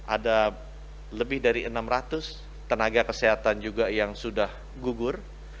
ada lebih dari enam ratus tenaga kesehatan juga yang sudah gugur